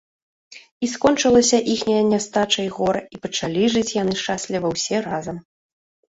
І скончылася іхняя нястача і гора, і пачалі жыць яны шчасліва ўсе разам